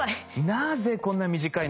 なぜこんな短いのか？